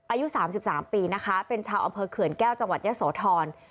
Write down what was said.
อายุ๓๓ปีนะคะเป็นชาวอำเภอเขื่อนแก้วจังหวัดยะโสธร